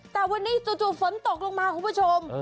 แต่วันนี้จู่ฝนตกลงมาคุณผู้ชม